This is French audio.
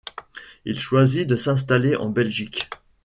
Il choisit de s'installer en Belgique.